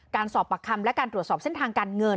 การสอบปากคำและการตรวจสอบเส้นทางการเงิน